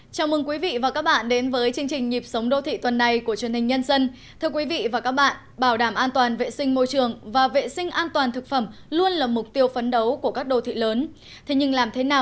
các bạn hãy đăng ký kênh để ủng hộ kênh của chúng mình nhé